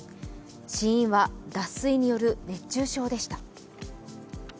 死因は脱水による熱中症でした。